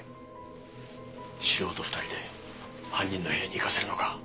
素人２人で犯人の部屋に行かせるのか？